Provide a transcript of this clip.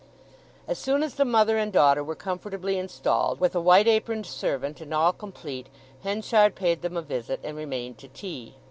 As soon as the mother and daughter were comfortably installed, with a white aproned servant and all complete, Henchard paid them a visit, and remained to tea.